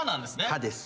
歯です。